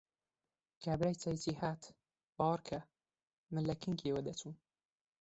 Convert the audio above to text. کابرای چاییچی هات، باوەڕ کە من لە کنگیەوە دەچووم!